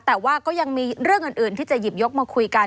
แต่ว่าก็ยังมีเรื่องอื่นที่จะหยิบยกมาคุยกัน